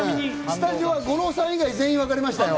スタジオは五郎さん以外、全員わかりましたよ。